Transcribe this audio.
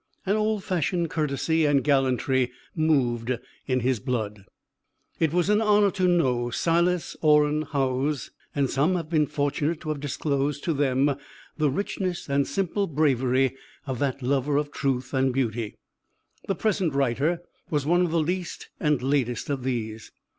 An old fashioned courtesy and gallantry moved in his blood. It was an honour to know Silas Orrin Howes, and some have been fortunate to have disclosed to them the richness and simple bravery of that lover of truth and beauty. The present writer was one of the least and latest of these.